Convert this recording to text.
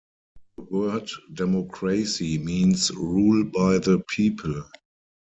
The word democracy means rule by the people.